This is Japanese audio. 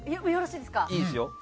いいですよ。